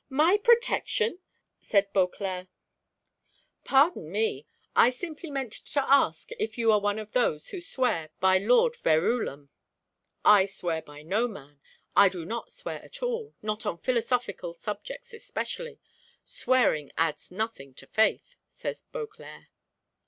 my protection?" said Beauclerc. "Pardon me, I simply meant to ask if you are one of those who swear by Lord Verulam." "I swear by no man, I do not swear at all, not on philosophical subjects especially; swearing adds nothing to faith," said Beauclerc.